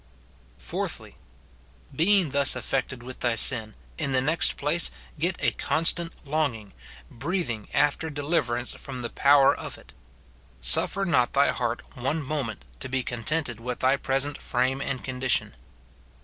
Fourthly. Being thus affected with thy sin, in the next place get a constant longing, breathing after deliver ance from the poiver of it. Sufier not thy heart one mo ment to be contented with thy present frame and condi tion.